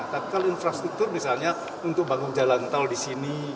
tapi kalau infrastruktur misalnya untuk bangun jalan tol di sini